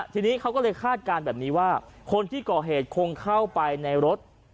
ทีนี้เขาก็เลยคาดการณ์แบบนี้ว่าคนที่ก่อเหตุคงเข้าไปในรถ